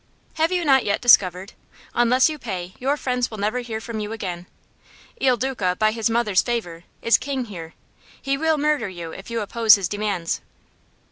"Have you not yet discovered? Unless you pay, your friends will never hear from you again. Il Duca, by his mother's favor, is king here. He will murder you if you oppose his demands."